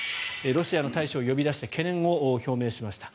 ロシアの大使を呼び出して懸念を表明しました。